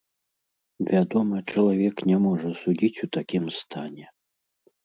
Вядома, чалавек не можа судзіць у такім стане.